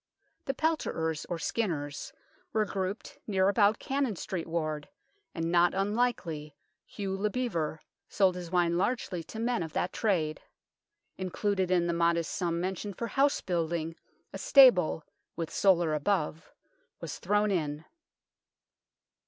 The pelterers, or skinners, were grouped near about Cannon Street ward, and not unlikely Hugh le Bevere sold Ms wine largely to men of that trade. Included in the modest sum mentioned for house building a stable, with solar above, was thrown in.